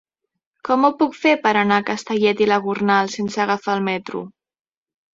Com ho puc fer per anar a Castellet i la Gornal sense agafar el metro?